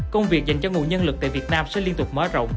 công việc dành cho nguồn nhân lực tại việt nam sẽ liên tục mở rộng